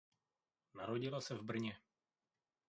Narodila se v Brně.